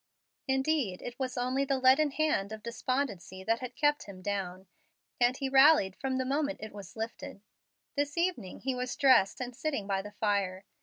Indeed, it was only the leaden hand of despondency that kept him down, and he rallied from the moment it was lifted. This evening he was dressed and sitting by the fire.